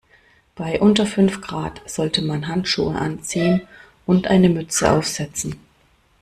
Bei unter fünf Grad sollte man Handschuhe anziehen und eine Mütze aufsetzen.